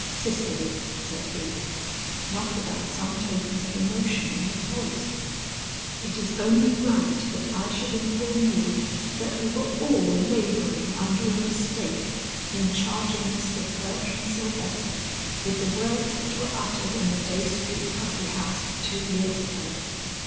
"Cicely," said he, not without some tokens of emotion in his voice, "it is only right that I should inform you that we were all laboring under a mistake, in charging Mr. Bertram Sylvester with the words that were uttered in the Dey Street coffee house two years ago.